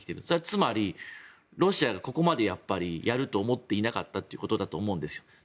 それはつまり、ロシアがここまでやるとは思っていなかったということだと思うんですよ。